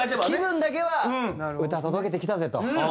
気分だけは「歌届けてきたぜ」と。